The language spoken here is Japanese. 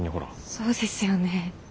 そうですよね。